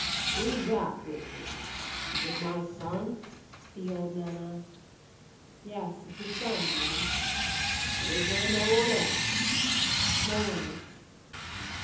"Who's that with me is it my son?" the old man asked. "Yes, it's your son, daddy." "And is there no one else?" "No one else."